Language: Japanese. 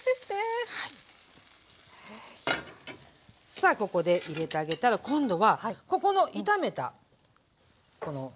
さあここで入れてあげたら今度はここの炒めたこのしょうが焼きですね。